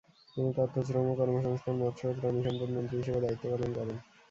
তিনি তথ্য, শ্রম ও কর্মসংস্থান, মৎস্য ও প্রাণী সম্পদ মন্ত্রী হিসেবে দায়িত্ব পালন করেন।